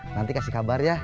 nanti kasih kabar ya